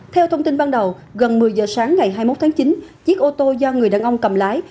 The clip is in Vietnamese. theo thông tin ban đầu gần một mươi giờ sáng ngày hai mươi một tháng chín chiếc ô tô do người đàn ông cầm lái